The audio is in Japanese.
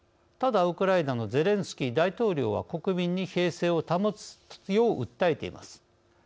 ただウクライナのゼレンスキー大統領は国民に平静を保つよう訴えています。